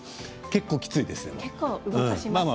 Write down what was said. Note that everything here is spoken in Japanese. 結構きついです。